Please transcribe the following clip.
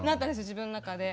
自分の中で。